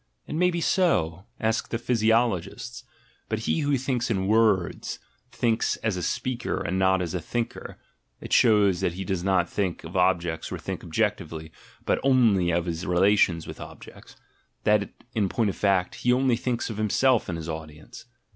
It may be so — ask the physiologists — but he who thinks in words, thinks as a speaker and not as a thinker (it shows that he does not think of objects or think objectively, but only of his rela tions with objects — that, in point of fact, he only thinks of himself and his audience).